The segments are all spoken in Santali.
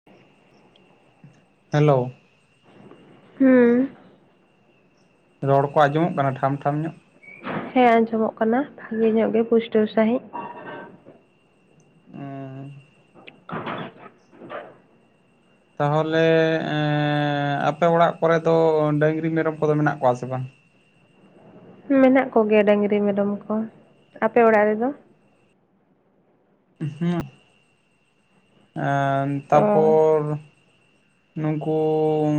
[inaudible] ᱦᱮᱞᱳ ᱦᱩᱸ ᱨᱚᱲ ᱠᱚ ᱟᱸᱡᱚᱢᱚᱜ ᱠᱟᱱᱟ ᱴᱷᱟᱢ ᱴᱷᱟᱢ ᱧᱚᱜ ᱦᱮᱸ ᱟᱸᱡᱚᱢᱚᱜ ᱠᱟᱱᱟ ᱵᱷᱟᱜᱤ ᱧᱚᱜ ᱜᱮ ᱯᱩᱥᱴᱟᱹᱣ ᱥᱟᱺᱦᱤᱡ ᱚᱸ ᱛᱟᱦᱚᱞᱮ ᱟᱯᱮ ᱚᱲᱟᱜ ᱠᱚᱨᱮ ᱫᱚ ᱰᱟᱝᱨᱤ ᱢᱮᱨᱚᱢ ᱠᱚᱫᱚ ᱢᱮᱱᱟᱜ ᱠᱚᱣᱟ ᱥᱮ ᱵᱟᱝ ᱢᱮᱱᱟᱜ ᱠᱚᱜᱮᱭᱟ ᱰᱟᱹᱝᱨᱤ ᱢᱮᱨᱚᱢ ᱠᱚ ᱟᱯᱮ ᱚᱲᱟᱜ ᱨᱮᱫᱚ ᱦᱩᱸ ᱟ ᱚ ᱛᱟᱨᱯᱚᱨ ᱱᱩᱠᱩ ᱩᱻ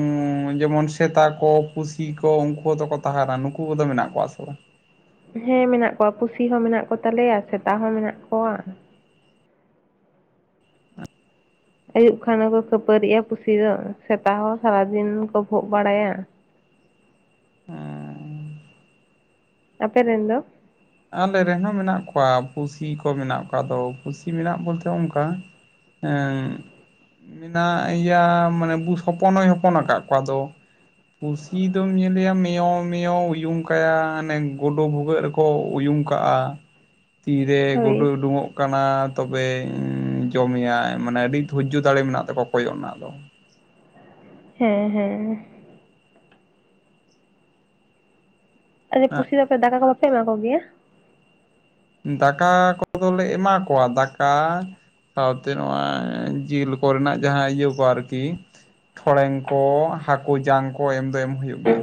ᱡᱮᱢᱚᱱ ᱥᱮᱛᱟ ᱠᱚ ᱯᱩᱥᱤ ᱠᱚ ᱩᱱᱠᱩ ᱦᱚᱸ ᱫᱚᱠᱚ ᱛᱟᱦᱮᱸᱱᱟ ᱱᱩᱠᱩ ᱠᱚᱫᱚ ᱢᱮᱱᱟᱜ ᱠᱚᱣᱟ ᱥᱮ ᱵᱟᱝ ᱦᱮᱸ ᱢᱮᱱᱟᱜ ᱠᱚᱣᱟ ᱯᱩᱥᱤ ᱦᱚᱸ ᱢᱮᱱᱟᱜ ᱠᱚᱛᱟᱞᱮᱭᱟ ᱥᱮᱛᱟ ᱦᱚᱸ ᱢᱮᱱᱟᱜ ᱠᱚᱣᱟ ᱟᱹᱭᱩᱵ ᱠᱷᱟᱱ ᱫᱚᱠᱚ ᱠᱷᱟᱹᱯᱟᱹᱨᱤᱜᱼᱟ ᱯᱩᱥᱤ ᱫᱚ ᱥᱮᱛᱟ ᱦᱚᱸ ᱥᱟᱨᱟᱫᱤᱱ ᱠᱚ ᱵᱷᱚᱜ ᱵᱟᱲᱟᱭᱟ ᱟᱯᱮᱨᱮᱱ ᱫᱚ ᱟᱞᱮ ᱨᱮᱱᱦᱚᱸ ᱢᱮᱱᱟᱜ ᱠᱚᱣᱟ ᱯᱩᱥᱤ ᱠᱚ ᱢᱮᱱᱟᱜ ᱠᱚᱣᱟ ᱟᱫᱚ ᱯᱩᱥᱤ ᱢᱮᱱᱟᱜ ᱵᱚᱞᱛᱮ ᱚᱱᱠᱟ ᱦᱮᱸ ᱢᱮᱱᱟᱜ ᱭᱟ ᱢᱟᱱᱮ ᱵᱩᱥ ᱦᱚᱯᱚᱱ ᱦᱚᱭ ᱦᱚᱯᱚᱱ ᱟᱠᱟᱫ ᱠᱚᱣᱟ ᱟᱫᱚ ᱠᱩᱥᱤ ᱫᱚᱢ ᱧᱮᱞᱮᱭᱟ ᱢᱮᱭᱚ ᱢᱮᱭᱚ ᱩᱭᱩᱝ ᱠᱟᱭᱟ ᱟᱱᱮ ᱜᱰᱩ ᱵᱷᱩᱜᱟᱹᱜ ᱨᱮᱠᱚ ᱩᱭᱩᱜ ᱠᱟᱜᱼᱟ ᱛᱤᱨᱮ ᱦᱳᱭ ᱜᱩᱰᱩᱭ ᱩᱰᱩᱚᱜ ᱠᱟᱱᱟ ᱛᱚᱵᱮᱧ ᱡᱚᱢᱮᱭᱟ ᱢᱟᱱᱮ ᱟᱹᱰᱤ ᱫᱷᱳᱨᱡᱚ ᱫᱟᱲᱮ ᱢᱮᱱᱟᱜ ᱛᱟᱠᱚᱣᱟ ᱠᱚᱭᱚᱜ ᱨᱮᱱᱟᱜ ᱫᱚ ᱦᱮᱸ ᱦᱮᱸ ᱦᱮᱸ ᱟᱪᱪᱷᱟ ᱯᱩᱥᱤ ᱦᱮᱸ ᱫᱚ ᱟᱯᱮ ᱫᱟᱠᱟ ᱠᱚ ᱵᱟᱯᱮ ᱮᱢᱟ ᱠᱚᱜᱮᱭᱟ ᱫᱟᱠᱟ ᱠᱚᱫᱚᱞᱮ ᱮᱢᱟ ᱠᱚᱣᱟ ᱫᱟᱠᱟ ᱥᱟᱶᱛᱮ ᱱᱚᱣᱟ [unintelligible] ᱡᱤᱞ ᱠᱚᱨᱮᱱᱟᱜ ᱡᱟᱦᱟᱸ ᱤᱭᱟᱹ ᱠᱚ ᱟᱨᱠᱤ ᱴᱷᱚᱲᱮᱝ ᱠᱚ, ᱦᱟᱹᱠᱩ ᱡᱟᱝ ᱠᱚ, ᱮᱢ ᱫᱚ ᱮᱢᱜ ᱦᱩᱭᱩᱜ ᱜᱮᱭᱟ,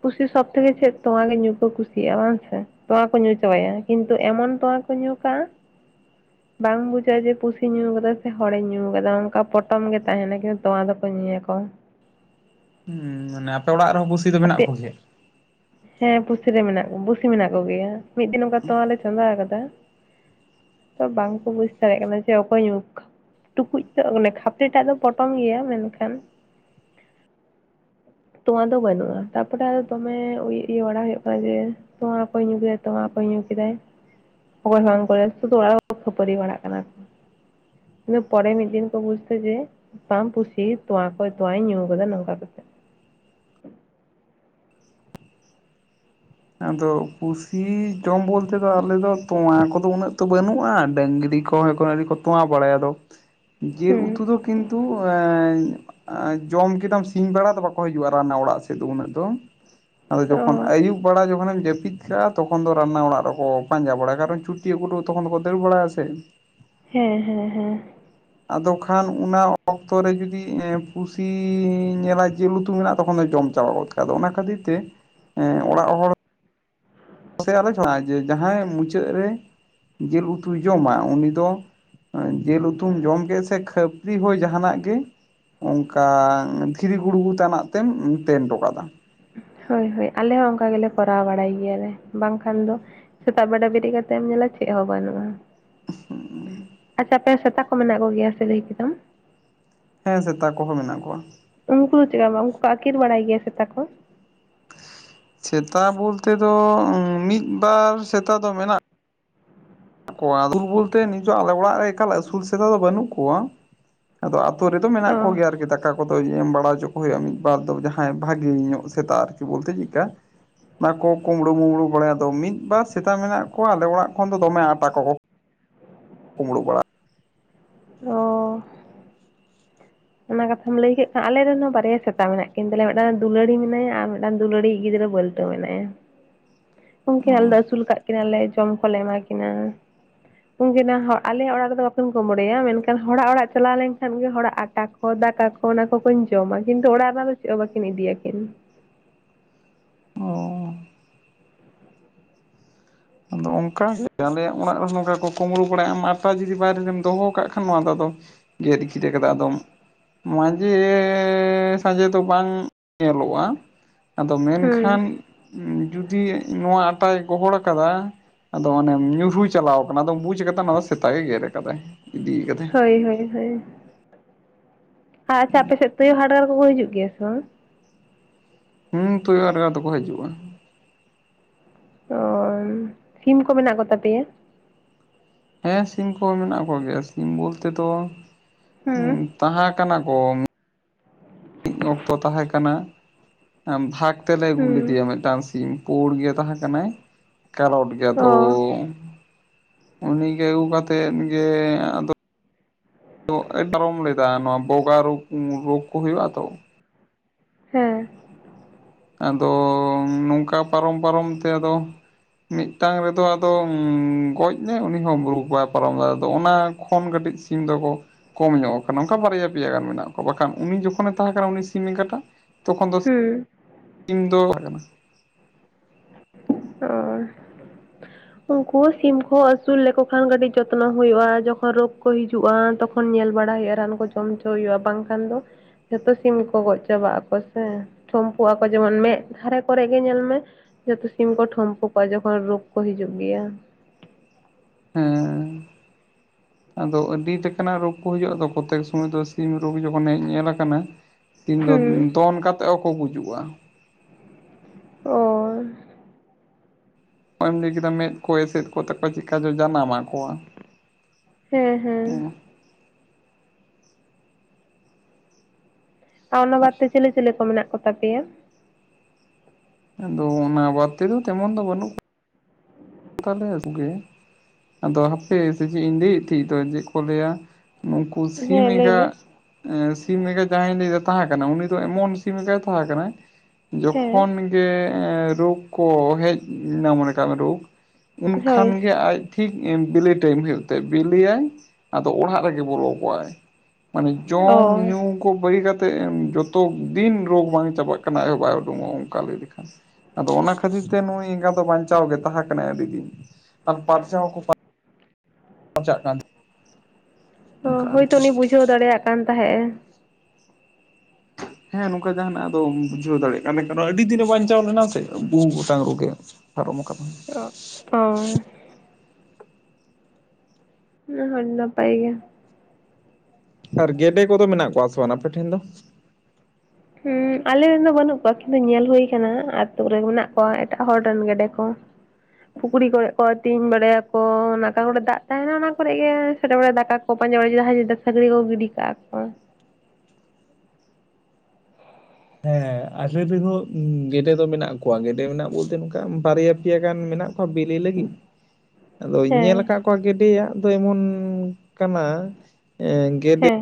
ᱯᱩᱥᱤ ᱥᱚᱵᱽ ᱛᱷᱮᱠᱮ ᱪᱮᱫ ᱛᱣᱭᱟᱜᱮ ᱧᱩ ᱠᱚ ᱠᱩᱥᱤᱭᱟᱜᱼᱟ ᱵᱟᱝ ᱥᱮ᱾ ᱛᱚᱣᱟ ᱠᱚ ᱧᱩ ᱪᱚᱵᱟᱭᱟ ᱠᱤᱱᱛᱩ ᱮᱢᱚᱱ ᱛᱚᱣᱟ ᱠᱚ ᱧᱩ ᱠᱟᱜᱼᱟ, [inaudible] ᱵᱟᱝ ᱵᱩᱡᱷᱟᱹᱜᱼᱟ ᱡᱮ ᱯᱩᱥᱤ ᱧᱩ ᱠᱟᱫᱟ ᱥᱮ ᱦᱚᱲᱮ ᱧᱩ ᱠᱟᱫᱟ ᱚᱝᱠᱟ ᱯᱚᱴᱚᱢ ᱜᱮ ᱛᱟᱦᱮᱱᱟ ᱠᱤᱱᱛᱩ ᱛᱚᱣᱟ ᱫᱚᱠᱚ ᱧᱩᱭᱟᱠᱚ᱾ ᱦᱩᱸ ᱢᱟᱱᱮ ᱟᱯᱮ ᱚᱲᱟᱜ ᱨᱮᱦᱚᱸ ᱠᱩᱥᱤ ᱫᱚ ᱢᱮᱱᱟᱜ ᱟᱯᱮ ᱠᱚᱜᱮᱭᱟ? ᱦᱮᱸ ᱯᱩᱥᱤᱨᱮ ᱢᱮᱱᱟᱜ ᱯᱩᱥᱤ ᱢᱮᱱᱟᱜ ᱠᱚᱜᱮᱭᱟ ᱢᱤᱫ ᱫᱤᱱ ᱚᱱᱠᱟ ᱛᱳᱣᱟ ᱞᱮ ᱪᱚᱸᱫᱟᱣ ᱟᱠᱟᱫᱟ, ᱛᱚ ᱵᱟᱝᱠᱚ ᱵᱩᱡ ᱫᱟᱲᱮᱭᱟᱜ ᱠᱟᱱᱟ ᱡᱮ ᱚᱠᱚᱭ ᱧᱠ ᱴᱩᱠᱩᱡ ᱫᱚ ᱚᱱᱮ ᱠᱷᱟᱯᱨᱤ ᱴᱟᱜ ᱫᱚ ᱯᱚᱴᱚᱢ ᱜᱮᱭᱟ, ᱢᱮᱱᱠᱷᱟᱱ ᱛᱚᱣᱟ ᱫᱚ ᱵᱟᱹᱱᱩᱜᱼᱟ᱾ ᱛᱟᱨᱯᱚᱨᱮ ᱟᱫᱚ ᱫᱚᱢᱮ ᱩᱭ ᱤᱭᱟ. ᱵᱟᱲᱟ ᱦᱩᱭᱩᱜ ᱠᱟᱱᱟ ᱡᱮ, ᱛᱚᱣᱟ ᱚᱠᱚᱭ ᱧᱩ ᱠᱮᱫᱟᱭ ᱛᱚᱣᱟ ᱚᱠᱚᱭ ᱧᱩ ᱠᱮᱫᱟᱭ, ᱚᱠᱚᱭ ᱦᱚᱸ ᱠᱚᱨᱮ [unintelligible] ᱥᱩᱫᱷᱩ ᱚᱲᱟᱜ ᱦᱟᱲ ᱠᱚ ᱠᱷᱟᱹᱯᱟᱹᱨᱤ ᱵᱟᱲᱟᱜ ᱠᱟᱱᱟ ᱠᱚ, ᱤᱱᱟᱹ ᱯᱨᱮ ᱢᱤᱫ ᱫᱤᱱ ᱠᱚ ᱵᱩᱡ ᱠᱮᱫᱟ ᱡᱮ ᱯᱟᱢ ᱯᱩᱥᱤ ᱛᱚᱣᱟ ᱠᱚ ᱛᱳᱣᱟᱭ ᱧᱩ ᱠᱟᱫᱟ ᱱᱚᱝᱠᱟ ᱠᱟᱛᱮ᱾ ᱟᱫᱚ ᱯᱩᱥᱤ ᱡᱚᱢ ᱵᱚᱞᱛᱮ ᱫᱚ ᱟᱞᱮ ᱫᱚ ᱛᱚᱣᱟ ᱠᱚᱫᱚ ᱩᱱᱟᱹᱜ ᱭᱚ ᱵᱟᱹᱱᱩᱜᱼᱟ, ᱰᱟᱹᱝᱨᱤ ᱠᱚ ᱛᱳᱣᱟ ᱠᱚ ᱟᱣᱨᱤ ᱠᱚ ᱛᱳᱣᱟ ᱵᱟᱲᱟᱭᱟ ᱫᱚ, ᱡᱤᱞ ᱩᱛᱩ ᱦᱩᱸ ᱫᱚ ᱠᱤᱱᱛᱩ ᱮ ᱟ ᱡᱚᱢ ᱠᱮᱫᱟᱢ ᱥᱤᱧ ᱵᱮᱲᱟ ᱫᱚ ᱵᱟᱠᱚ ᱦᱤᱡᱩᱜᱼᱟ ᱨᱟᱱᱱᱟ ᱚᱲᱟᱜ ᱥᱮᱫ ᱫᱚ ᱩᱱᱟᱹᱜ ᱫᱚ, ᱟᱫᱚ ᱚ ᱡᱚᱠᱷᱚᱱ ᱟᱭᱩᱵ ᱟᱭᱩᱵᱮᱲᱟ ᱡᱚᱠᱷᱚᱱᱮᱢ ᱡᱟᱹᱯᱤᱫ ᱠᱟᱜᱼᱟ ᱛᱟᱠᱷᱚᱱ ᱫᱚ ᱨᱟᱱᱱᱟ ᱚᱲᱟᱜ ᱨᱮᱠᱚ ᱯᱟᱸᱡᱟ ᱵᱟᱲᱟᱭᱟ ᱠᱟᱨᱚᱱ ᱪᱩᱴᱭᱤ ᱟᱹ ᱜᱩᱴᱩ ᱛᱚᱠᱷᱚᱱ ᱫᱚᱠᱚ ᱫᱟᱹᱲ ᱵᱟᱲᱟᱭᱟ ᱥᱮ, ᱦᱮᱸ ᱦᱮᱸ ᱦᱮᱸ, ᱟᱫᱚ ᱠᱷᱟᱱ ᱚᱱᱟ ᱚᱠᱛᱚ ᱨᱮ ᱡᱩᱫᱤ ᱯᱩᱥᱤ ᱧᱮᱞᱟ ᱡᱮ ᱡᱤᱞ ᱩᱛᱩ ᱢᱮᱱᱟᱜᱼᱟ ᱛᱚᱠᱷᱚᱱ ᱫᱚ ᱡᱚᱢ ᱪᱟᱵᱟᱜᱚᱫᱼᱟ᱾ ᱟᱫᱚ ᱚᱱᱟ ᱠᱷᱟᱹᱛᱤᱨ ᱛᱮ, ᱚᱲᱟᱜ ᱦᱚᱲ ᱡᱮ ᱡᱟᱦᱟᱸᱭ ᱢᱩᱪᱟᱹᱫ ᱨᱮ ᱡᱤᱞ ᱩᱛᱩᱩᱭ ᱡᱚᱢᱟ ᱩᱱᱤ ᱫᱚ, ᱡᱮᱞ ᱩᱛᱩᱢ ᱡᱚᱢ ᱠᱮᱫ ᱥᱮ ᱠᱷᱟᱹᱯᱨᱤ ᱦᱚ ᱡᱟᱦᱱᱟᱜ ᱜᱮ ᱚᱱᱠᱟ ᱫᱷᱤᱨᱤ ᱜᱩᱲᱜᱩ ᱛᱟᱱᱟᱜ ᱛᱮᱢ ᱛᱮᱱ ᱴᱚᱠᱟᱫᱟ᱾ ᱦᱳᱭ ᱦᱳᱭ ᱟᱞᱮ ᱦᱚᱸ ᱚᱱᱠᱟ ᱜᱮᱞᱮ ᱠᱚᱨᱟᱣ ᱵᱟᱲᱟᱭ ᱜᱮᱭᱟᱞᱮ, ᱵᱟᱝᱠᱷᱟᱱ ᱫᱚ ᱥᱮᱛᱟᱜ ᱵᱮᱲᱟ ᱵᱮᱨᱮᱫ ᱠᱟᱛᱮᱢ ᱧᱮᱞᱟ ᱪᱮᱫ ᱦᱚᱸ ᱵᱟᱹᱱᱩᱜᱼᱟ᱾ ᱟᱪᱪᱷᱟ ᱟᱯᱮ ᱥᱮᱛᱟ ᱠᱚ ᱢᱮᱱᱟᱜ ᱠᱚᱜᱮᱭᱟ ᱥᱮ ᱞᱟᱹᱭ ᱠᱮᱫᱟᱢ, ᱦᱮᱸ ᱥᱮᱛᱟ ᱠᱚᱦᱚᱸ ᱢᱮᱱᱟᱜ ᱠᱚᱣᱟ᱾ ᱩᱱᱠᱩ ᱪᱮᱠᱟ ᱵᱟᱝ ᱩᱱᱠᱩ ᱠᱚ ᱟᱹᱠᱤᱨ ᱵᱟᱲᱟᱭ ᱜᱮᱭᱟ ᱥᱮᱛᱟ ᱠᱚ? ᱥᱮᱛᱟ ᱵᱚᱞᱛᱮ ᱫᱚ ᱢᱤᱫ ᱵᱟᱨ ᱥᱮᱛᱟ ᱫᱚ ᱢᱮᱱᱟᱜ ᱠᱚᱣᱟ ᱟᱥᱩᱞ ᱵᱚᱞᱛᱮ ᱱᱤᱛᱚᱜ ᱟᱞᱮ ᱚᱲᱟᱜ ᱨᱮ ᱮᱠᱟᱞ ᱟᱹᱥᱩᱞ ᱥᱮᱛᱟ ᱫᱚ ᱵᱟᱹᱱᱩᱜ ᱠᱚᱣᱟ, ᱟᱫᱚ ᱟᱹᱛᱩᱳ ᱨᱮᱫᱚ ᱢᱮᱱᱟᱜ ᱚ ᱠᱚᱜᱮᱭᱟ ᱟᱨᱠᱤ ᱫᱟᱠᱟ ᱠᱚᱫᱚ ᱮᱢ ᱵᱟᱲᱟ ᱦᱚᱪᱚ ᱠᱚ ᱥᱮᱛᱟ ᱠᱚᱫᱚ ᱧ ᱮᱢ ᱵᱟᱲᱟ ᱪᱟ ᱦᱩᱭᱩᱜᱼᱟ, ᱢᱤᱫᱵᱟᱨ ᱫᱚ ᱡᱟᱦᱟᱸᱭ ᱵᱷᱟᱜᱮ ᱧᱚᱜ ᱥᱮᱛᱟᱜ ᱟᱨᱠᱤ ᱵᱚᱞᱛᱮ ᱪᱮᱫᱠᱟ ᱵᱟᱠᱚ ᱠᱩᱢᱵᱽᱲᱩ ᱢᱩᱢᱵᱽᱲᱩ ᱵᱟᱲᱟᱭᱟ ᱟᱫᱚ ᱢᱤᱫ ᱵᱟᱨ ᱥᱮᱛᱟ ᱢᱮᱱᱟᱜ ᱠᱚᱣᱟ ᱟᱞᱮ ᱚᱲᱟᱜ ᱠᱷᱚᱱ ᱫᱚ ᱫᱚᱢᱮ ᱟᱛ ᱛᱟᱠᱚ ᱳᱵ [unintelligible] ᱠᱚᱢᱲᱩ ᱵᱟᱲᱟ ᱚ ᱚᱱᱟ ᱠᱟᱛᱷᱟᱢ ᱞᱟᱹᱭ ᱠᱮᱫ ᱠᱷᱟᱱ ᱟᱞᱮᱨᱮᱦ ᱦᱚᱸ ᱵᱟᱨᱭᱟ ᱥᱮᱛᱟ ᱢᱮᱱᱟᱜ ᱠᱤᱱ ᱛᱟᱞᱮᱭᱟ ᱢᱤᱫᱴᱟᱝ ᱫᱚ ᱫᱩᱞᱟᱹᱲᱤ ᱢᱮᱱᱟᱭᱟ ᱟᱨ ᱢᱤᱫᱴᱟᱝ ᱫᱩᱞᱟᱹᱲᱤ ᱤᱡ ᱜᱤᱫᱽᱨᱟᱹ ᱵᱟᱹᱞᱛᱤ᱾ ᱢᱮᱱᱟᱭᱟ ᱩᱱᱠᱤᱱ ᱟᱞᱮ ᱫᱚ ᱟᱹᱥᱩᱞ ᱠᱟᱫ ᱠᱤᱱᱟᱹᱞᱮ ᱡᱚᱢ ᱠᱚᱞᱮ ᱮᱢᱟ ᱠᱤᱱᱟ᱾ ᱩᱱᱠᱤᱱ ᱦᱚᱸ ᱟᱞᱮ ᱚᱲᱟᱜ ᱨᱮᱫᱚ ᱵᱟᱠᱤᱱ ᱠᱢᱲᱮᱭᱟ ᱢᱮᱱᱠᱷᱟᱱ ᱦᱚᱲᱟᱜ ᱚᱲᱟᱜ ᱪᱟᱞᱟᱣ ᱞᱮᱱᱠᱷᱟᱱ ᱜᱮ ᱦᱚᱲᱟᱜ ᱟᱴᱟ, ᱫᱟᱠᱟ ᱠᱚ ᱚᱱᱟ ᱠᱚ ᱠᱤᱱ ᱡᱚᱢᱟ ᱠᱤᱱᱛᱩ ᱚᱲᱟᱜ ᱨᱮᱱᱟᱜ ᱫᱚ ᱪᱮᱫ ᱦᱚᱸ ᱵᱟᱹᱠᱤᱱ ᱤᱫᱤᱭᱟᱠᱤᱱ᱾ ᱚ, ᱟᱫᱚ ᱚᱱᱠᱟᱜᱮ ᱟᱞᱮᱭᱟᱜ ᱚᱲᱟᱜ ᱨᱮᱦᱚ ᱱᱚᱝᱠᱟ ᱠᱚ ᱠᱩᱢᱵᱽᱲᱩ ᱵᱟᱲᱟᱭᱟ ᱟᱴᱟ ᱡᱩᱫᱤ ᱵᱟᱭᱨᱮ ᱨᱮᱢ ᱫᱚᱦᱚ ᱠᱟᱜ ᱠᱷᱟᱱ ᱱᱚᱣᱟ ᱫᱚ ᱟᱫᱚ, ᱜᱮᱨ ᱟᱹᱠᱤᱨ ᱠᱟᱫᱟ ᱟᱫᱚᱢ᱾ ᱢᱟᱡᱷᱮ ᱥᱟᱡᱷᱮ ᱫᱚ ᱵᱟᱝ ᱧᱮᱞᱚᱜ-ᱟ᱾ ᱟᱫᱚ ᱢᱮᱱᱠᱷᱟᱱ ᱦᱩᱸ ᱡᱩᱫᱤ ᱱᱚᱣᱟ ᱟᱴᱟᱭ ᱜᱚᱦᱚᱲ ᱠᱟᱫᱟ ᱟᱫᱚ ᱚᱱᱮᱢ ᱧᱩᱨᱦᱩ ᱪᱟᱞᱟᱣ ᱠᱟᱱᱟ ᱟᱫᱚᱢ ᱵᱩᱡ ᱠᱟᱫᱟ ᱱᱟᱣᱟ ᱫᱚ ᱥᱮᱛᱟ ᱜᱮ ᱜᱮᱨ ᱟᱠᱟᱫᱟᱭ ᱤᱫᱤᱭ ᱠᱟ ᱦᱳᱭ ᱦᱳᱭ ᱦᱳᱭ᱾ ᱟᱪᱪᱷᱟ ᱟᱯᱮᱥᱮᱫ ᱛᱩᱭᱩ ᱦᱟᱰᱜᱟᱨ ᱠᱚᱠᱚ ᱦᱤᱡᱩᱜ ᱜᱮᱭᱟ ᱥᱮ ᱵᱟᱝ? ᱦᱩᱸ ᱛᱩᱭᱩ ᱦᱟᱰᱜᱟᱨ ᱫᱚᱠᱚ ᱦᱤᱡᱩᱜ-ᱟ [unintelligible] ᱥᱤᱢ ᱠᱚ ᱢᱮᱱᱟᱜ ᱠᱚᱛᱟ ᱯᱮᱭᱟ? ᱦᱮᱸ ᱥᱤᱢ ᱠᱚᱦᱚᱸ ᱢᱮᱱᱟᱜ ᱠᱚᱜᱮᱭᱟ᱾ ᱥᱤᱢ ᱵᱚᱞᱛᱮ ᱫᱚ ᱦᱩᱸ ᱛᱟᱦᱮᱸ ᱠᱟᱱᱟ ᱠᱚ ᱢᱤᱫ ᱚᱠᱛᱚ ᱛᱟᱦᱮᱸ ᱠᱟᱱᱟ ᱮᱸ ᱵᱷᱟᱠ ᱛᱮᱞᱮ ᱟᱹᱜᱩ ᱦᱩᱸ ᱞᱮᱫᱮᱭᱟ ᱢᱤᱫᱴᱟᱝ ᱥᱤᱢ᱾ ᱯᱩᱲ ᱜᱮ ᱛᱟᱦᱮᱸ ᱠᱟᱱᱟᱭ᱾ ᱠᱟᱨᱚᱴ ᱜᱮ ᱟᱫᱚ ᱚ ᱩᱱᱤ ᱜᱮ ᱟᱹᱜᱩ ᱠᱟᱛᱮᱫ ᱜᱮ ᱟᱫᱚ [unintelligible] ᱞᱮᱫᱟ ᱱᱚᱣᱟ ᱵᱚᱜᱟ ᱨᱳᱜᱽ ᱨᱳᱜᱽ ᱠᱚ ᱦᱩᱭᱩᱜ-ᱟ ᱛᱚ᱾ ᱦᱮᱸ᱾ ᱟᱫᱚ ᱱᱚᱝᱠᱟ ᱯᱟᱨᱚᱢ ᱯᱟᱨᱚᱢ ᱛᱮ ᱟᱫᱚ ᱢᱤᱫᱴᱟᱝ ᱨᱮᱫᱚ ᱟᱫᱚ ᱜᱚᱡ ᱱᱟᱭ ᱩᱱᱤ ᱦᱚᱸ [unintelligible] ᱵᱟᱭ ᱯᱟᱨᱚᱢ ᱫᱟᱲᱮᱣᱟᱫᱟ᱾ ᱟᱫᱚ ᱚᱱᱟ ᱠᱷᱚᱱ ᱠᱟᱹᱴᱤᱡ ᱥᱤᱢ ᱫᱚᱠᱚ ᱠᱚᱢ ᱧᱚᱜ ᱟᱠᱟᱱᱟ, ᱚᱱᱠᱟ ᱵᱟᱨᱭᱟ ᱯᱮᱭᱟ ᱜᱟᱱ ᱢᱮᱱᱟᱜ ᱠᱚᱣᱟ ᱵᱟᱠᱷᱟᱱ ᱩᱱᱤ ᱡᱚᱠᱷᱚᱱᱮ ᱛᱟᱦᱮᱸ ᱠᱟᱱᱟ ᱩᱱᱤ ᱥᱤᱢ ᱮᱸᱜᱟ ᱴᱟᱜ ᱛᱚᱠᱷᱚᱱ ᱫᱚ ᱦᱩᱸ᱾ [unintelligible] ᱦᱳᱭ᱾ [inaudible] ᱩᱱᱠᱩ ᱥᱤᱢ ᱠᱚᱦᱚ ᱟᱹᱥᱩᱞ ᱞᱮᱠᱚ ᱠᱷᱟᱱ ᱠᱟᱹᱴᱤᱡ ᱡᱚᱛᱱᱚ ᱦᱩᱭᱩᱜ-ᱟ ᱡᱚᱠᱷᱚᱱ ᱨᱳᱜᱽ ᱠᱚ ᱦᱤᱡᱩᱜ-ᱟ ᱛᱚᱠᱷ ᱠᱚᱱ ᱧᱮᱞ ᱵᱟᱲᱟ ᱦᱩᱭᱩᱜ-ᱟ, ᱨᱟᱱ ᱠᱚ ᱡᱚᱢ ᱦᱚᱪᱚ ᱦᱩᱭᱩᱜ-ᱟ᱾ ᱵᱟᱝᱠᱷᱟᱱ ᱫᱚ ᱡᱷᱚᱛᱚ ᱥᱤᱢ ᱜᱮᱠᱚ ᱜᱚᱡ ᱪᱟᱵᱟᱜ ᱟᱠᱚ ᱥᱮ᱾ ᱴᱷᱩᱢᱯᱩᱜ ᱟᱠᱚ᱾ ᱡᱮᱢᱚᱱ ᱢᱮᱫ ᱫᱷᱟᱨᱮ ᱠᱚᱨᱮ ᱜᱮ ᱧᱮᱞ ᱢᱮ ᱡᱚᱛᱚ ᱥᱤᱢ ᱠᱚ ᱴᱷᱢᱯᱩ ᱠᱚ-ᱟ ᱡᱚᱠᱷᱚᱱ ᱨᱳᱜᱽ ᱠᱚ ᱦᱤᱡᱩᱜ ᱜᱮᱭᱟ᱾ ᱦᱮᱸ᱾ ᱟᱫᱚ ᱟᱹᱰᱤ ᱴᱮᱠᱟᱱᱟᱜ ᱨᱳᱜᱽ ᱠᱚ ᱦᱤᱡᱩᱜ-ᱟ ᱛᱚ᱾ ᱠᱚᱛᱮᱠ ᱥᱚᱢᱚᱭ ᱫᱚ ᱥᱤᱢ ᱨᱳᱜᱽ ᱡᱚᱠᱷᱚ ᱦᱮᱡ ᱧᱮᱞ ᱟᱠᱟᱱᱟ ᱥᱤᱢ ᱫᱚ ᱦᱩᱸ ᱫᱚᱱ ᱠᱟᱛᱮᱜ ᱦᱚᱸᱠᱚ ᱜᱩᱡᱩᱜᱼᱟ᱾ ᱚ᱾ ᱦᱚᱸᱜ-ᱚᱭᱮᱢ ᱞᱟᱹᱭ ᱠᱮᱫᱟ ᱢᱮᱫ ᱠᱚ ᱮᱥᱮᱫ ᱠᱚᱜ ᱛᱟᱠᱚᱭᱟ, ᱪᱮᱫᱠᱟ ᱪᱚ ᱡᱟᱱᱟᱢ ᱟᱠᱚᱣᱟ᱾ ᱦᱮᱸ ᱦᱮᱸ᱾ ᱟᱨ ᱚᱱᱟ ᱵᱟᱫ ᱛᱮ ᱪᱤᱞᱤ ᱪᱤᱞᱤ ᱠᱚ ᱢᱮᱱᱟᱜ ᱠᱚ ᱛᱟᱯᱮᱭᱟ? ᱟᱫᱚ ᱚᱱᱟ ᱵᱟᱫ ᱛᱮᱫᱚ ᱛᱮᱢᱚᱱ ᱫᱚ ᱵᱟᱹᱱᱩᱜ ᱠᱚ ᱛᱟᱞᱮᱭᱟ ᱠᱚᱜᱮ᱾ ᱟᱫᱚ ᱦᱟᱯᱮ ᱥᱮ ᱪᱮᱫ ᱤᱧ ᱞᱟᱹᱭᱮᱫ ᱛᱟᱦᱮᱸ ᱫᱚ ᱪᱮᱫ ᱠᱚ ᱞᱟᱹᱭᱟ ᱱᱩᱠᱩ ᱥᱤᱢ ᱦᱮᱸ ᱞᱟᱹᱭ ᱮᱸᱜᱟ ᱢᱮ ᱮᱸ ᱥᱤᱢ ᱮᱸᱜᱟ ᱡᱟᱦᱟᱸᱭᱮᱤᱧ ᱞᱟᱹᱭᱫᱟ ᱛᱟᱦᱮᱸ ᱠᱟᱱᱟ ᱩᱱᱤ ᱫᱚ ᱮᱢᱚᱱ ᱥᱤᱢ ᱮᱸᱜᱟᱭ ᱛᱟᱦᱮᱸ ᱠᱟᱱᱟᱭ ᱡᱚᱠᱷᱚᱱ ᱦᱮᱸ ᱜᱮ ᱨᱳᱜᱽ ᱠᱚ ᱦᱮᱡ ᱱᱟ ᱢᱚᱱᱮ ᱠᱟᱜ ᱢᱮ ᱨᱳᱜᱽ᱾ ᱦᱳᱭ ᱩᱱᱠᱷᱟᱱᱜᱮ ᱟᱡ ᱴᱷᱤᱠ ᱵᱤᱞᱤ ᱴᱟᱭᱤᱢ ᱦᱩᱭᱩᱜ ᱛᱟᱭᱟ᱾ ᱵᱤᱞᱤᱭᱟᱭ ᱟᱫᱚ ᱚᱲᱟᱜ ᱨᱮᱜᱮ ᱵᱚᱞᱚ ᱠᱚᱜ-ᱟᱭ᱾ ᱢᱟᱱᱮ ᱚ ᱡᱚᱢ ᱧᱩ ᱠᱚ ᱵᱟᱹᱜᱤ ᱠᱟᱛ ᱛᱮ ᱮᱢ ᱡᱚᱛᱚ ᱫᱤᱱ ᱨᱳᱜᱽ ᱵᱟᱝ ᱪᱟᱵᱟᱜ ᱠᱟᱱᱟ ᱟᱡ ᱦᱚᱸ ᱵᱟᱭ ᱩᱰᱩᱠᱚᱜ-ᱟ ᱚᱱᱠᱟ ᱞᱟᱹᱭ ᱞᱮᱠᱷᱟᱱ᱾ ᱟᱫᱚ ᱚᱱᱟ ᱠᱷᱟᱹᱛᱤᱨ ᱛᱮ ᱱᱩᱭ ᱮᱸᱜᱟ ᱫᱚ ᱵᱟᱧᱪᱟᱣ ᱜᱮ ᱛᱟᱦᱮᱸ ᱠᱟᱱᱟᱭ ᱟᱹᱰᱤ ᱫᱤᱱ ᱟᱨ ᱯᱟᱨᱪᱟᱣ ᱦᱚᱸᱠᱚ ᱯᱟᱨᱼᱼ ᱯᱟᱨᱪᱟᱜ ᱠᱟᱱ ᱚ ᱚᱱᱠᱟ ᱦᱳᱭᱛᱚ ᱟᱨᱠᱤ ᱩᱱᱤᱭ ᱵᱩᱡᱷᱟᱹᱣ ᱫᱟᱲᱮᱭᱟᱜ ᱠᱟᱱ ᱛᱟᱦᱮᱸᱜ-ᱮ᱾ ᱦᱮᱸ ᱱᱚᱝᱠᱟ ᱡᱟᱦᱟᱱᱟᱜ ᱟᱫᱚᱢ ᱵᱩᱡᱷᱟᱹᱣ ᱫᱟᱲᱮᱜ ᱠᱟᱱᱟ᱾ ᱢᱮᱱᱠᱷᱟᱱ ᱟᱹᱰᱤ ᱫᱤᱱᱮ ᱵᱟᱧᱪᱟᱣ ᱞᱮᱱᱟ ᱥᱮ᱾ ᱵᱚᱦᱩ ᱜᱚᱴᱟᱝ ᱨᱳᱜᱽᱮ ᱯᱟᱨᱚᱢ ᱟᱠᱟᱫᱟᱢ᱾ [unintelligible] ᱚᱱᱟ ᱦᱚᱸ ᱱᱟᱯᱟᱭ ᱜᱮ᱾ ᱟᱨ ᱜᱮᱰᱮ ᱠᱚᱫᱚ ᱢᱮᱱᱟᱜ ᱠᱚᱣᱟ ᱥᱮ ᱵᱟᱝ ᱟᱯᱮ ᱴᱷᱮᱱ ᱫᱚ? ᱦᱮᱸ ᱟᱞᱮ ᱨᱮᱱ ᱫᱚ ᱵᱟᱹᱱᱩᱜ ᱠᱚᱣᱟ, ᱠᱤᱱᱛᱩ ᱧᱮᱞ ᱦᱩᱭ ᱠᱟᱱᱟ ᱟᱛᱳ ᱨᱮ ᱢᱮᱱᱟᱜ ᱠᱚᱣᱟ ᱮᱴᱟᱜ ᱦᱚᱲ ᱨᱮᱱ ᱜᱮᱰᱮ ᱠᱚ᱾ ᱯᱩᱠᱷᱨᱤ ᱠᱚᱨᱮᱜ ᱠᱚ ᱟᱛᱤᱧ ᱵᱟᱲᱟᱭᱟ ᱠᱚ᱾ ᱚᱱᱟ ᱚᱠᱟ ᱠᱚᱨᱮ ᱫᱟᱜ ᱛᱟᱦᱮᱸᱱᱟ ᱚᱱᱟ ᱠᱚᱨᱮ ᱜᱮ ᱥᱮᱰᱮ ᱵᱮᱰᱮ ᱫᱟᱠᱟ ᱠᱚ ᱯᱟᱸᱡᱟ ᱵᱟᱲᱟᱭᱟ ᱡᱟᱦᱟᱸᱭ ᱡᱩᱫᱤ ᱥᱟᱠᱲᱤ ᱠᱚ ᱜᱤᱰᱤ ᱠᱟᱜᱼᱟ ᱠᱚ᱾ ᱦᱮᱸ ᱟᱞᱮ ᱨᱮᱦᱚᱸ ᱜᱮᱰᱮ ᱫᱚ ᱢᱮᱱᱟᱜ ᱠᱚᱣᱟ, ᱜᱮᱰᱮ ᱢᱮᱱᱟᱜ ᱵᱚᱞᱛᱮ ᱱᱚᱝᱠᱟ ᱵᱟᱨᱭᱟ ᱯᱮᱭᱟ ᱜᱟᱱ ᱢᱮᱱᱟᱜ ᱠᱚᱣᱟ ᱵᱮᱞᱮ ᱞᱟᱹᱜᱤᱫ᱾ ᱟᱫᱚᱧ ᱦᱮᱸ ᱧᱮᱞ ᱠᱟᱫ ᱠᱚᱣᱟ ᱜᱮᱰᱮᱭᱟᱜ ᱫᱚ ᱮᱢᱚᱱ ᱠᱟᱱᱟ, ᱮᱸᱻ ᱦᱮᱸ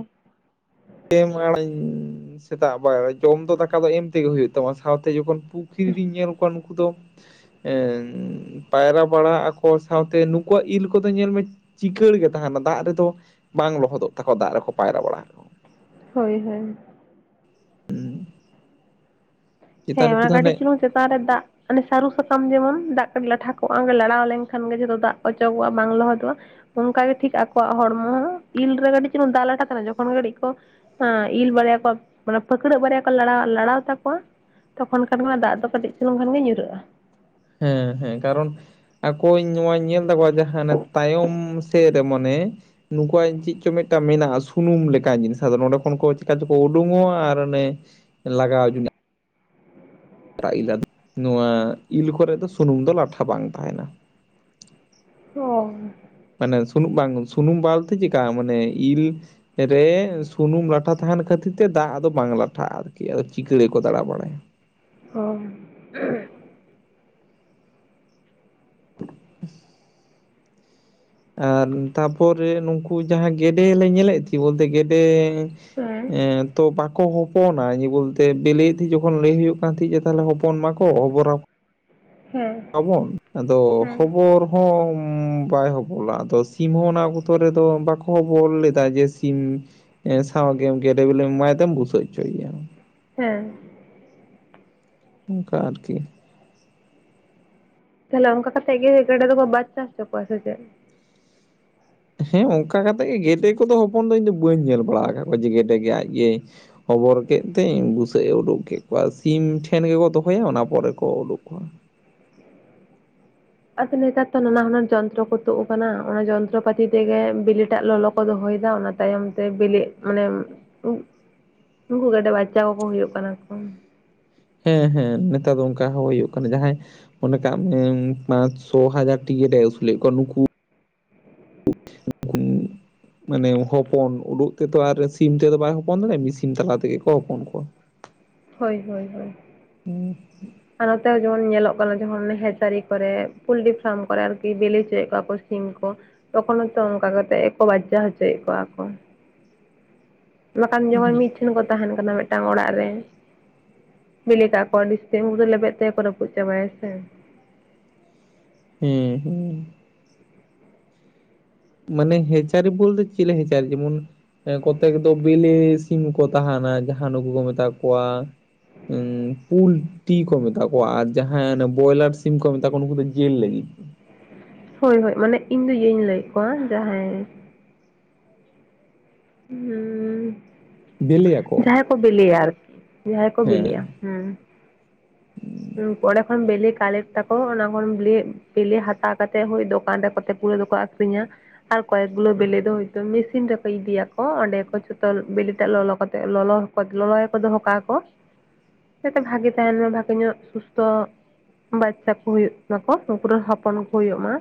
ᱮᱢ ᱟᱲᱤᱧ ᱥᱮᱛᱟᱜ ᱵᱟᱲᱟ ᱨᱮ ᱡᱚᱢ ᱫᱚ ᱫᱟᱠᱟ ᱫᱚ ᱮᱢ ᱛᱮᱜᱮ ᱦᱩᱭᱩᱜ ᱛᱟᱢᱟ ᱥᱟᱶᱛᱮ ᱡᱚᱠᱷᱚᱱ ᱯᱩᱠᱷᱨᱤ ᱨᱤᱧ ᱧᱮᱞ ᱠᱚᱣᱟ ᱱᱩᱠᱩ ᱫᱚ ᱮᱻ ᱯᱟᱭᱨᱟ ᱵᱟᱲᱟᱜ ᱟᱠᱚ ᱥᱟᱶᱛᱮ ᱱᱩᱠᱩᱣᱟᱜ ᱤᱞ ᱠᱚ ᱫᱚ ᱧᱮᱞ ᱢᱮ ᱪᱤᱠᱟᱹᱲ ᱜᱮ ᱛᱟᱦᱮᱱᱟ, ᱫᱟᱜ ᱨᱮᱫᱚ ᱵᱟᱝ ᱞᱚᱦᱚᱫᱚᱜ ᱛᱟᱠᱚᱣᱟ ᱫᱟᱜ ᱨᱮᱠᱚ ᱯᱟᱭᱨᱟ ᱵᱟᱲᱟ ᱦᱳᱭ ᱦᱳᱭ᱾ ᱦᱮᱸ ᱪᱮᱛᱟᱱ ᱱᱩᱠᱩ ᱚᱱᱟ ᱫᱚ ᱠᱟᱹᱴᱤᱡ ᱦᱟᱱᱮ ᱪᱩᱞᱩᱝ ᱪᱮᱛᱟᱱ ᱨᱮ ᱫᱟᱜ ᱦᱟᱱᱮ ᱥᱟᱹᱨᱩ ᱥᱟᱠᱟᱢ ᱡᱮᱢᱚᱱ ᱫᱟᱜ ᱠᱟᱹᱴᱤᱡ ᱞᱟᱴᱷᱟ ᱠᱚᱜᱼᱟ, ᱞᱟᱲᱟᱣ ᱞᱮᱱᱠᱷᱟᱱ ᱜᱮ ᱡᱷᱚᱛᱚ ᱫᱟᱜ ᱠᱚ ᱚᱪᱚᱜᱚᱜᱼᱟ ᱵᱟᱝ ᱞᱚᱦᱚᱫᱚᱜᱼᱟ᱾ ᱚᱱᱠᱟᱜᱮ ᱴᱷᱤᱠ ᱟᱠᱚᱣᱟᱜ ᱦᱚᱲᱢᱚ ᱦᱚᱸ, ᱤᱞ ᱨᱮ ᱠᱟᱹᱴᱤᱡ ᱪᱩᱞᱩᱝ ᱫᱟᱜ ᱞᱟᱴᱷᱟᱜ ᱠᱟᱱᱟ ᱡᱚᱠᱷᱚᱱ ᱜᱮ ᱠᱟᱹᱴᱤᱡ ᱠᱚ ᱦᱮᱸ, ᱤᱞ ᱵᱟᱨᱭᱟ ᱠᱚ ᱢᱟᱱᱮ ᱯᱷᱟᱹᱠᱲᱟᱹᱜ ᱵᱟᱨᱭᱟ ᱠᱚ ᱞᱟᱲᱟᱣ ᱞᱟᱲᱟᱣ ᱛᱟᱠᱚᱣᱟ ᱛᱚᱠᱷᱚᱱ ᱠᱷᱟᱱ ᱜᱮ ᱚᱱᱟ ᱫᱟᱜ ᱫᱚ ᱠᱟᱹᱴᱤᱡ ᱪᱩᱞᱩᱝ ᱠᱷᱟᱱᱜᱮ ᱧᱩᱨᱟᱹᱜᱼᱟ᱾ ᱦᱮᱸ ᱦᱮᱸ ᱠᱟᱨᱚᱱ ᱟᱠᱚᱧ ᱱᱚᱣᱟᱧ ᱧᱮᱞ ᱛᱟᱠᱚᱣᱟ ᱡᱟᱦᱟᱸ ᱦᱟᱱᱮ ᱛᱟᱭᱚᱢ ᱥᱮᱫ ᱨᱮ ᱢᱟᱱᱮ ᱱᱩᱠᱩᱣᱟᱜ ᱪᱮᱫ ᱪᱚᱝ ᱢᱤᱫᱴᱟᱝ ᱢᱮᱱᱟᱜᱼᱟ ᱥᱩᱱᱩᱢ ᱞᱮᱠᱟᱱ ᱡᱤᱱᱤᱥ, ᱟᱫᱚ ᱱᱚᱰᱮ ᱠᱷᱚᱱ ᱠᱚ ᱪᱤᱠᱟ ᱪᱚᱠᱚ ᱩᱰᱩᱝᱚᱜᱼᱟ ᱟᱨ ᱚᱱᱮ ᱞᱟᱜᱟᱣ ᱡᱚᱱᱟᱜ [unintelligible] ᱱᱚᱣᱟ ᱤᱞ ᱠᱚᱨᱮ ᱫᱚ ᱥᱩᱱᱩᱢ ᱫᱚ ᱞᱟᱴᱷᱟ ᱵᱟᱝ ᱛᱟᱦᱮᱸᱱᱟ᱾ ᱚᱻ ᱢᱟᱱᱮ ᱥᱩᱱᱩᱢ ᱵᱟᱝ ᱥᱩᱱᱩᱢ ᱵᱟᱞᱛᱮ ᱪᱮᱞᱠᱟ ᱢᱟᱱᱮ ᱤᱞ ᱨᱮ ᱥᱩᱱᱩᱢ ᱞᱟᱴᱷᱟ ᱛᱟᱦᱮᱸᱱ ᱠᱷᱟᱹᱛᱤᱨ ᱛᱮ ᱫᱟᱜ ᱟᱫᱚ ᱵᱟᱝ ᱞᱟᱴᱷᱟᱜᱼᱟ᱾ ᱟᱨᱠᱤ ᱪᱤᱠᱟᱹᱲ ᱜᱮᱠᱚ ᱫᱟᱬᱟ ᱵᱟᱲᱟᱭᱟ᱾ ᱦᱚᱭ ᱾ [inaudible] ᱟᱨ ᱛᱟᱯᱚᱨᱮ ᱱᱩᱠᱩ ᱡᱟᱦᱟᱸ ᱜᱮᱰᱮ ᱞᱮ ᱧᱮᱞᱮᱫ ᱠᱚ ᱵᱚᱞᱛᱮ ᱜᱮᱰᱮ ᱦᱮᱸ ᱮᱸᱻ ᱛᱚ ᱵᱟ ᱠᱚ ᱦᱚᱯᱚᱱᱟ, ᱡᱮ ᱵᱚᱞᱛᱮ ᱵᱮᱞᱮᱭᱮ ᱛᱟᱦᱮᱸ ᱡᱚᱠᱷᱚᱱ ᱞᱟᱹᱭ ᱦᱩᱭᱩᱜ ᱠᱟᱱ ᱛᱟᱦᱮᱸᱡ ᱡᱮ ᱛᱟᱦᱚᱞᱮ ᱦᱚᱯᱚᱱ ᱢᱟᱠᱚ ᱚᱵᱚᱨ ᱟᱠᱚ ᱦᱮᱸ ᱟᱵᱚᱱ ᱟᱫᱚ ᱦᱮᱸ ᱠᱷᱚᱵᱚᱨ ᱦᱚᱸ ᱵᱟᱭ ᱦᱚᱵᱚᱞᱟ ᱟᱫᱚ ᱥᱤᱢ ᱦᱚᱸ ᱚᱱᱟ ᱚᱠᱛᱚ ᱨᱮᱫᱚ ᱵᱟᱠᱚ ᱦᱚᱵᱚᱞ ᱞᱮᱫᱟ ᱡᱮ ᱥᱤᱢ ᱮᱸ ᱥᱟᱶᱜᱮᱢ ᱜᱮᱰᱮ ᱵᱮᱞᱮ ᱮᱢᱟᱭ ᱛᱮᱢ ᱵᱩᱥᱟᱹᱜ ᱦᱚᱪᱚ ᱮᱭᱟ᱾ ᱦᱮᱸ᱾ ᱚᱱᱠᱟ ᱟᱨᱠᱤ, ᱛᱟᱦᱚᱞᱮ ᱚᱱᱠᱟ ᱠᱟᱛᱮ ᱜᱮ ᱜᱮᱰᱮ ᱫᱚᱠᱚ ᱵᱟᱪᱪᱟ ᱦᱚᱪᱚ ᱠᱚᱣᱟ ᱥᱮ ᱪᱮᱫ? ᱦᱮᱸ ᱚᱱᱠᱟ ᱠᱟᱛᱮ ᱜᱮ ᱜᱮᱰᱮ ᱠᱚᱫᱚ ᱦᱚᱯᱚᱱ ᱫᱚ ᱤᱧ ᱫᱚ ᱵᱟᱹᱧ ᱧᱮᱞ ᱵᱟᱲᱟ ᱟᱠᱟᱫ ᱠᱚᱣᱟ, ᱡᱮ ᱜᱮᱰᱮ ᱜᱮ ᱟᱡ ᱜᱮᱭ ᱦᱚᱵᱚᱨ ᱠᱮᱫ ᱛᱤᱧ ᱵᱩᱥᱟᱹᱜ ᱮ ᱩᱰᱩᱠ ᱠᱮᱫ ᱠᱚᱣᱟ, ᱥᱤᱢ ᱴᱷᱮᱱ ᱜᱮᱠᱚ ᱫᱚᱦᱚᱭᱟ ᱚᱱᱟ ᱯᱚᱨᱮ ᱠᱚ ᱩᱰᱩᱠ ᱠᱚᱣᱟ᱾ ᱟᱫᱚ ᱱᱮᱛᱟᱨ ᱛᱚ ᱱᱟᱱᱟ ᱦᱩᱱᱟᱨ ᱡᱚᱱᱛᱨᱚ ᱠᱚ ᱛᱩᱫ ᱟᱠᱟᱱᱟ, ᱚᱱᱟ ᱡᱚᱱᱛᱨᱚ ᱯᱟᱹᱛᱤ ᱛᱮᱜᱮ ᱵᱤᱞᱤᱴᱟᱜ ᱞᱚᱞᱚ ᱠᱚ ᱫᱚᱦᱚᱭ ᱫᱟ ᱚᱱᱟ ᱛᱟᱭᱚᱢᱛᱮ ᱵᱤᱞᱤᱜ ᱢᱟᱱᱮ ᱩᱱ ᱩᱱᱠᱩ ᱜᱮᱰᱮ ᱵᱟᱪᱪᱟ ᱠᱚᱠᱚ ᱦᱩᱭᱩᱜ ᱠᱟᱱᱟ ᱠᱚ᱾ ᱦᱮᱸ ᱦᱮᱸ ᱱᱮᱛᱟᱨ ᱫᱚ ᱚᱱᱠᱟ ᱦᱚᱸ ᱦᱩᱭᱩᱜ ᱠᱟᱱᱟ ᱡᱟᱦᱟᱸᱭ, ᱚᱱᱠᱟ ᱢᱟᱱᱮ ᱯᱟᱸᱪ ᱪᱷᱚ ᱦᱟᱡᱟᱨ ᱴᱤ ᱜᱮᱰᱮ ᱟᱹᱥᱩᱞᱮᱫ ᱠᱚᱣᱟᱭ ᱱᱩᱠᱩ [inaudible] ᱢᱟᱱᱮ ᱦᱚᱯᱚᱱ ᱩᱰᱩᱜ ᱛᱮ ᱫᱚ ᱟᱨ ᱥᱤᱢ ᱛᱮᱫᱚ ᱵᱟᱭ ᱦᱚᱯᱚᱱ ᱫᱟᱲᱮᱭᱟᱜᱼᱟ, ᱥᱤᱢ ᱛᱟᱞᱟ ᱛᱮ ᱜᱮ ᱠᱚ ᱦᱚᱯᱚᱱ ᱠᱚᱣᱟ᱾ ᱦᱳᱭ ᱦᱳᱭ ᱦᱳᱭ, [unintelligible] ᱟᱨ ᱱᱚᱛᱮ ᱡᱮᱢᱚᱱ ᱧᱮᱞᱚᱜ ᱠᱟᱱᱟ, ᱡᱮᱢᱚᱱ ᱦᱮᱪᱟᱨᱤ ᱠᱚᱨᱮ ᱯᱩᱞᱴᱨᱤ ᱯᱷᱟᱨᱢ ᱠᱚᱨᱮ ᱟᱨᱠᱤ ᱵᱤᱞᱤ ᱪᱚᱭᱮᱫ ᱠᱚᱣᱟ ᱠᱚ᱾ ᱥᱤᱢ ᱠᱚ ᱛᱚᱠᱷᱚᱱ ᱦᱚᱸᱛᱚ ᱚᱱᱠᱟ ᱠᱟᱛᱮᱫ ᱜᱮ ᱠᱚ ᱵᱟᱪᱪᱟ ᱦᱚᱪᱚᱭᱮᱫ ᱠᱚᱣᱟ ᱠᱚ, ᱵᱟᱠᱷᱟᱱ ᱡᱚᱢᱚᱱ ᱢᱤᱫ ᱴᱷᱮᱱ ᱠᱚ ᱛᱟᱦᱮᱱ ᱠᱟᱱᱟ ᱢᱤᱫᱴᱟᱝ ᱚᱲᱟᱜ ᱨᱮ, ᱵᱤᱞᱤ ᱠᱟᱜ ᱠᱚᱣᱟ ᱟᱰᱤ ᱥᱤᱢ ᱜᱮ ᱞᱮᱵᱮᱫ ᱛᱮᱜᱮ ᱠᱚ ᱨᱟᱹᱯᱩᱫ ᱪᱟᱵᱟᱭᱟ ᱥᱮ? ᱦᱮᱸ ᱦᱮᱸ, ᱢᱟᱱᱮ ᱦᱮᱸᱪᱟᱨᱤ ᱵᱚᱞᱛᱮ ᱪᱮᱞᱮ ᱦᱮᱸᱪᱟᱨᱤ ᱡᱮᱢᱚᱱ? ᱠᱚᱛᱮᱠ ᱫᱚ ᱵᱮᱞᱮ ᱥᱤᱢ ᱦᱚᱸᱠᱚ ᱛᱟᱦᱮᱱᱟ ᱡᱟᱦᱟᱸ ᱱᱩᱠᱩ ᱠᱚ ᱢᱮᱛᱟ ᱠᱚᱣᱟ, ᱯᱩᱞ ᱴᱤ ᱠᱚ ᱢᱮᱛᱟ ᱠᱚᱣᱟ ᱟᱨ ᱡᱟᱦᱟᱸ ᱵᱚᱭᱞᱟᱴ ᱥᱤᱢ ᱠᱚ ᱢᱮᱛᱟ ᱠᱚᱣᱟ ᱩᱱᱩᱠᱩ ᱫᱚ ᱡᱮᱞ ᱞᱟᱹᱜᱤᱫ। ᱦᱳᱭ ᱦᱳᱭ, ᱢᱟᱱᱮ ᱤᱧ ᱫᱚ ᱤᱭᱟᱹᱧ ᱞᱟᱹᱭᱮᱫ ᱠᱚᱣᱟ ᱡᱟᱦᱟᱸᱭ ᱦᱩᱸᱻ ᱵᱮᱞᱮᱭᱟᱠᱚ ᱡᱟᱦᱟᱸᱭ ᱠᱚ ᱵᱮᱞᱮᱭᱟ ᱟᱨᱠᱤ ᱡᱟᱦᱟᱸᱭ ᱠᱚ ᱵᱮᱞᱮᱭᱟ। ᱦᱮᱸ ᱦᱩᱸ। ᱚᱸᱰᱮ ᱠᱷᱚᱱ ᱵᱮᱞᱮ ᱠᱟᱞᱮᱠᱴ ᱟᱠᱚ ᱚᱱᱟ ᱠᱷᱚᱱ ᱵᱮᱞᱮ ᱦᱟᱛᱟᱣ ᱠᱟᱛᱮ ᱫᱚᱠᱟᱱ ᱨᱮ ᱠᱚᱛᱮ ᱜᱩᱞᱟ ᱫᱚᱠᱚ ᱟᱠᱷ [inaudible] ᱟᱨ ᱠᱚᱭᱮᱠ ᱜᱩᱞᱳ ᱵᱮᱞᱮ ᱫᱚ ᱦᱚᱭ ᱛᱚ ᱢᱮᱥᱤᱱ ᱨᱮᱠᱚ ᱤᱫᱤᱭᱟᱠᱚ ᱚᱸᱰᱮ ᱠᱚ ᱡᱷᱚᱛᱚ ᱵᱤᱞᱤ ᱛᱮᱫ ᱞᱚᱞᱚ ᱠᱟᱛᱮ ᱞᱚᱞᱚ ᱠᱚ ᱞᱚᱞᱚᱭᱟ ᱠᱚ ᱫᱚᱦᱚ ᱠᱟᱜ-ᱟ ᱠᱚ [unintelligible] ᱡᱟᱛᱮ ᱵᱷᱟᱜᱮ ᱛᱟᱦᱮᱱ ᱢᱮ ᱵᱷᱟᱜᱮ ᱧᱚᱜ ᱥᱩᱥᱛᱚ ᱵᱟᱪᱪᱷᱟ ᱠᱚ ᱦᱩᱭᱩᱜ ᱢᱟᱠᱚ, ᱩᱱᱠᱩ ᱨᱮᱱ ᱦᱚᱯᱚᱱ ᱠᱚ ᱦᱩᱭᱩᱜ ᱢᱟ।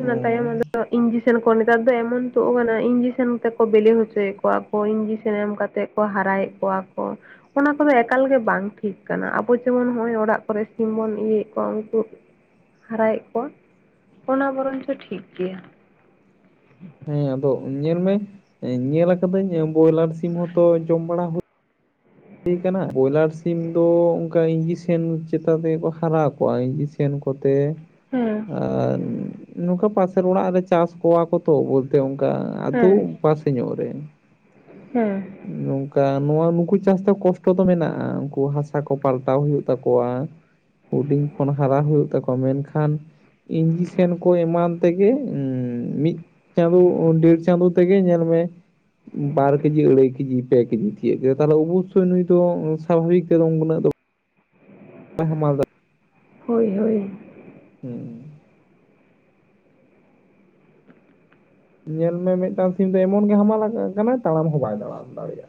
ᱚᱱᱟ ᱛᱟᱭᱚᱢ ᱚᱸᱰᱮ ᱫᱚ ᱤᱧᱡᱤᱥᱮᱱ ᱠᱚ ᱱᱮᱛᱟᱨ ᱫᱚ ᱮᱢᱚᱱ ᱛᱩᱫ ᱟᱠᱟᱱᱟ ᱤᱧᱡᱤᱥᱮᱱ ᱛᱮᱠᱚ ᱵᱮᱞᱮ ᱦᱚᱪᱚᱭᱮᱫ ᱠᱚᱣᱟ ᱠᱚ ᱤᱧᱡᱤᱥᱮᱱ ᱮᱢ ᱠᱟᱛᱮᱜ ᱠᱚ ᱦᱟᱨᱟᱭᱮᱫ ᱠᱚᱣᱟ ᱠᱚ, ᱚᱱᱟ ᱠᱚ ᱫᱚ ᱮᱠᱟᱞ ᱜᱮ ᱵᱟᱝ ᱴᱷᱤᱠ ᱠᱟᱱᱟ ᱟᱵᱚ ᱡᱮᱢᱚᱱ ᱱᱚᱜᱼᱚᱭ ᱚᱲᱟᱜ ᱠᱚᱨᱮᱜ ᱥᱤᱢ ᱵᱚᱱ ᱤᱭᱟᱹᱭᱮᱫ ᱠᱚᱣᱟ ᱩᱱᱠᱩ ᱦᱟᱨᱟᱭᱮᱜ ᱠᱚᱣᱟ। ᱚᱱᱟ ᱵᱚᱨᱚᱱ ᱪᱚ ᱴᱷᱤᱠ ᱜᱮᱭᱟ, ᱦᱮᱸ ᱟᱫᱚ ᱧᱮᱞ ᱢᱮ ᱧᱮᱞ ᱟᱠᱟᱫᱟᱹᱧ ᱵᱚᱭᱞᱟᱴ ᱥᱤᱢ ᱦᱚᱸ ᱛᱚ ᱡᱚᱢ ᱵᱟᱲᱟ ᱦᱩᱭ ᱦᱩᱭ ᱠᱟᱱᱟ, ᱵᱚᱭᱞᱟᱴ ᱥᱤᱢ ᱫᱚ ᱚᱱᱠᱟ ᱤᱧᱡᱮᱠᱥᱮᱱ ᱪᱮᱛᱟᱱ ᱛᱮᱜᱮ ᱠᱚ ᱦᱟᱨᱟ ᱠᱚᱣᱟ ᱤᱧᱡᱤᱠᱥᱮᱱ ᱥᱮᱱ ᱠᱚᱛᱮ, ᱦᱩᱸ, ᱟᱨ ᱱᱚᱝᱠᱟ ᱯᱟᱥᱮᱨ ᱚᱲᱟᱜ ᱨᱮ ᱪᱟᱥ ᱠᱚᱣᱟ ᱠᱚ ᱛᱚ ᱵᱚᱞᱛᱮ ᱚᱱᱠᱟ ᱟᱛᱳ ᱯᱟᱥ ᱛᱮ ᱧᱚᱜ ᱨᱮ, ᱦᱩᱸ, ᱱᱚᱝᱠᱟ ᱱᱚᱣᱟ ᱱᱩᱠᱩ ᱪᱟᱥ ᱛᱮ ᱠᱚᱥᱴᱚ ᱫᱚ ᱢᱮᱱᱟᱜᱼᱟ ᱩᱱᱠᱩ ᱦᱟᱥᱟ ᱠᱚ ᱯᱟᱞᱴᱟᱣ ᱦᱳᱭᱳᱜ ᱛᱟᱠᱚᱣᱟ। ᱦᱩᱰᱤᱧ ᱠᱷᱚᱱ ᱦᱟᱨᱟ ᱦᱳᱭᱳᱜ ᱛᱟᱠᱚᱣᱟ ᱢᱮᱱᱠᱷᱟᱱ ᱤᱧᱡᱤᱥᱮᱱ ᱠᱚ ᱮᱢᱟᱱ ᱛᱮ ᱜᱮ ᱢᱤᱫ ᱪᱟᱸᱫᱳ ᱰᱮᱲ ᱪᱟᱸᱫᱳ ᱛᱮᱜᱮ ᱧᱮᱞ ᱢᱮ ᱵᱟᱨ ᱠᱮᱡᱤ, ᱟᱹᱲᱟᱹᱭ ᱠᱮᱡᱤ, ᱯᱮ ᱠᱮᱡᱤ, ᱛᱤᱭᱟᱹᱜ ᱠᱮᱫᱟ, ᱛᱟᱦᱚᱞᱮ ᱚᱵᱚᱥᱥᱳᱭ ᱱᱩᱭ ᱫᱚ ᱥᱟᱵᱷᱟᱵᱤᱠ ᱛᱮ ᱫᱚ ᱩᱱᱟᱜ ᱫᱚ ᱦᱟ ᱢᱟᱞ ᱫᱟ ᱦᱳᱭ ᱦᱳᱭ, ᱦᱩᱸ, ᱧᱮᱞ ᱢᱮ ᱢᱤᱫᱴᱟᱝ ᱥᱤᱢ ᱫᱚ ᱮᱢᱚᱱ ᱜᱮ ᱦᱟᱢᱟᱞ ᱟᱠᱟᱱᱟᱭ ᱛᱟᱲᱟᱢ ᱦᱚᱸ ᱵᱟᱭ ᱛᱟᱲᱟᱢ ᱫᱟᱲᱮᱭᱟᱜ।